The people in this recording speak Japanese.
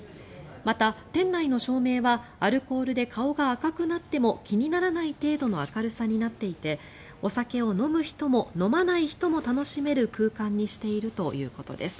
また、店内の照明はアルコールで顔が赤くなっても気にならない程度の明るさになっていてお酒を飲む人も飲まない人も楽しめる空間にしているということです。